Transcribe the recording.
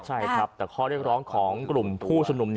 ใช่ครับแต่ข้อเรียกร้องของกลุ่มผู้ชุมนุม